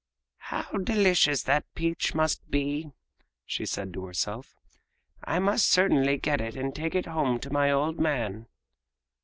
"How delicious that peach must be!" she said to herself. "I must certainly get it and take it home to my old man."